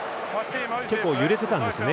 結構、揺れてたんですね。